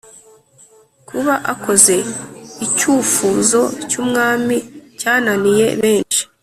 kuba akoze icyufuzo cyumwami cyananiye benshi